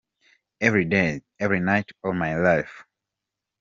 Every day, Every night All my life ….